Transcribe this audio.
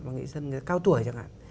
nghệ dân cao tuổi chẳng hạn